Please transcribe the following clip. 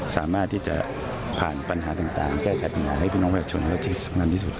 สามารถที่จะผ่านปัญหาต่างแก้กัดหมายให้พี่น้องพระอาชญะพระอาทิตย์สำนักที่สุด